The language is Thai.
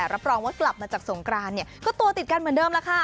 รับรองว่ากลับมาจากสงกรานเนี่ยก็ตัวติดกันเหมือนเดิมแล้วค่ะ